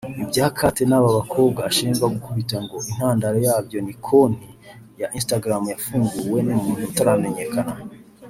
Ibya Kate n’aba bakobwa ashinjwa gukubita ngo intandaro yabyo ‘ni konti ya Instagram yafunguwe n’umuntu utaramenyekanye